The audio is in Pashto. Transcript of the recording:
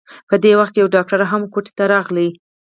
په دې وخت کې يوه ډاکټره هم کوټې ته راغله.